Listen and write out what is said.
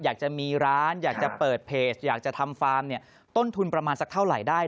อยากจะมีร้านอยากจะเปิดเพจอยากจะทำฟาร์มเนี่ยต้นทุนประมาณสักเท่าไหร่ได้